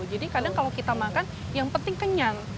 jadi kadang kalau kita makan yang penting kenyang